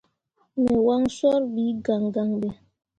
Me wancor ɓi gangan ɓe.